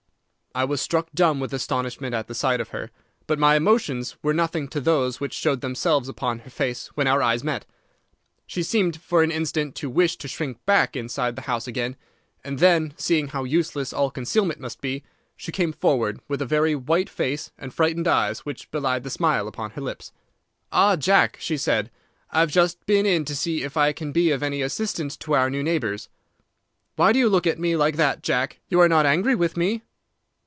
"I was struck dumb with astonishment at the sight of her; but my emotions were nothing to those which showed themselves upon her face when our eyes met. She seemed for an instant to wish to shrink back inside the house again; and then, seeing how useless all concealment must be, she came forward, with a very white face and frightened eyes which belied the smile upon her lips. "'Ah, Jack,' she said, 'I have just been in to see if I can be of any assistance to our new neighbours. Why do you look at me like that, Jack? You are not angry with me?